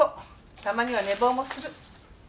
たまには寝坊もする。